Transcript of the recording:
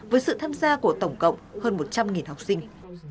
với sự tham gia của tổng cộng hơn một trăm linh học sinh